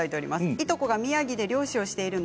いとこが宮城で漁師をしています。